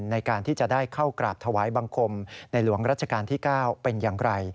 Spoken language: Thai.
ในการที่จะได้เข้ากราบถวายบังคมในหลวงรัชกาลที่๙เป็นอย่างไร